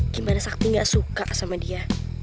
gimana sakti nggak suka sama dia